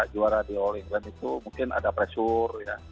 juara di all england itu mungkin ada pressure